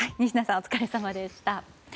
お疲れさまでした。